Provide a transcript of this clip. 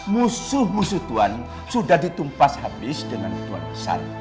musuh musuh tuhan sudah ditumpas habis dengan dua besar